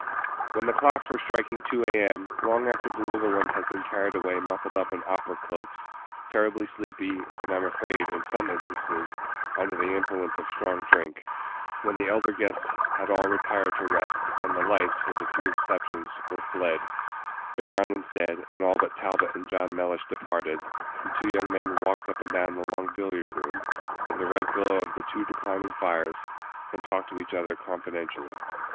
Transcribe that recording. When the clocks were striking 2 A. M., long after the little ones had been carried away muffled up in opera cloaks, terribly sleepy, and I'm afraid, in some instances, under the influence of strong drink when the elder guests had all retired to rest, and the lights, with a few exceptions, were fled, the garlands dead, and all but Talbot and John Mellish departed, the two young men walked up and Page 41 down the long billiard room, in the red glow of the two declining fires, and talked to each other confidentially.